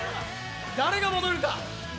誰が戻るか！